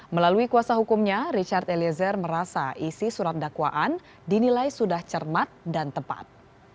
melalui kuasa hukumnya richard eliezer merasa isi surat dakwaan dinilai sudah cermat dan tepat